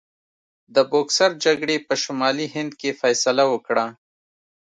د بوکسر جګړې په شمالي هند کې فیصله وکړه.